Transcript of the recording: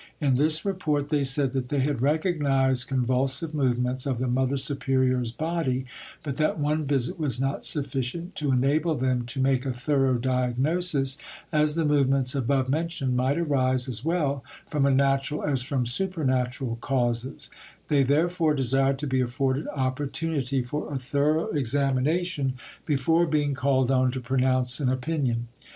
In this report they said that they had recognised convulsive movements of the mother superior's body, but that one visit was not sufficient to enable them to make a thorough diagnosis, as the movements above mentioned might arise as well from a natural as from supernatural causes; they therefore desired to be afforded opportunity for a thorough examination before being called on to pronounce an opinion.